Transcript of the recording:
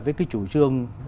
với cái chủ trương